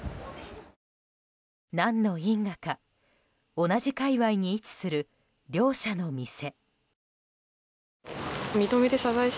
何の因果か同じ界隈に位置する両者の店。